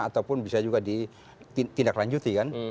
ataupun bisa juga ditindaklanjuti kan